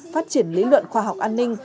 phát triển lý luận khoa học an ninh